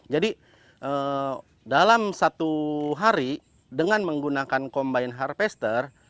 jadi dalam satu hari dengan menggunakan combine harvester